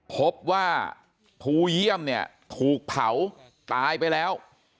พบว่าภูเยี่ยมเนี่ยถูกเผาตายไปแล้ว